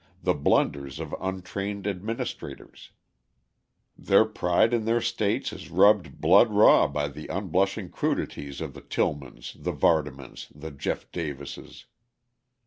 the blunders of untrained administrators, their pride in their states is rubbed blood raw by the unblushing crudities of the Tillmans, the Vardamans, the Jeff Davises.